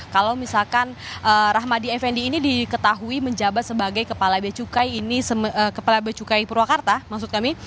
kalau misalkan rahmadi effendi ini diketahui menjabat sebagai kepala beacukai purwakarta